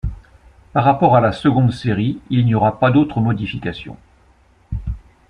Par rapport à la seconde série, il n'y aura pas d'autres modifications.